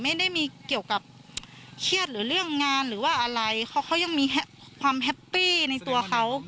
ไม่ได้มีเกี่ยวกับเครียดหรือเรื่องงานหรือว่าอะไรเพราะเขายังมีความแฮปปี้ในตัวเขา